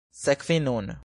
Sekvi nun!